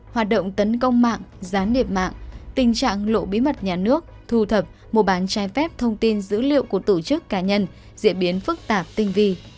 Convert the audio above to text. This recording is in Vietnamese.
hoạt động tấn công mạng gián điệp mạng tình trạng lộ bí mật nhà nước thu thập mua bán trái phép thông tin dữ liệu của tổ chức cá nhân diễn biến phức tạp tinh vi